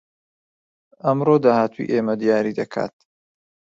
ئەمڕۆ داهاتووی ئێمە دیاری دەکات